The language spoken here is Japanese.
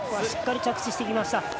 しっかり着地していきました。